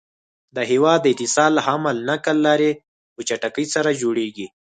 د هيواد د اتصال حمل نقل لاری په چټکی سره جوړيږي